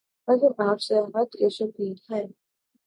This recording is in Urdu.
اگر آپ سیاحت کے شوقین ہیں